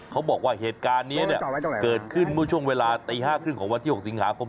เขาบอกว่าเหตุการณ์นี้เนี่ยเกิดขึ้นเมื่อช่วงเวลาตี๕๓๐ของวันที่๖สิงหาคม